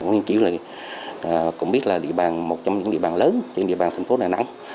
liên chiểu cũng biết là một trong những địa bàn lớn trên địa bàn thành phố đà nẵng